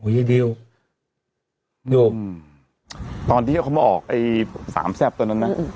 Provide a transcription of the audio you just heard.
โอ๊ยยิวอืมตอนที่เขามาออกไอสามแซพตอนนั้นนะ